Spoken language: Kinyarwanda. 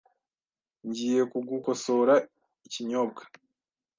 Ngiye kugukosora ikinyobwa .